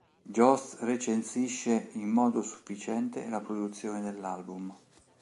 Jost recensisce in modo sufficiente la produzione dell'album.